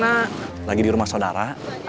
dan yang paling penting adalah